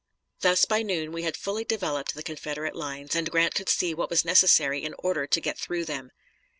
Thus by noon we had fully developed the Confederate lines, and Grant could see what was necessary in order to get through them.